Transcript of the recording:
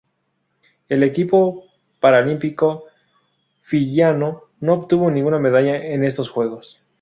El equipo paralímpico fiyiano no obtuvo ninguna medalla en estos Juegos.